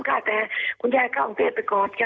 ใช่แต่คุณยายก็เอาเทศไปกอดค่ะ